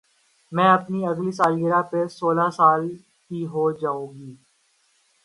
میں اپنی اگلی سالگرہ پر سولہ سال کی ہو جائو گی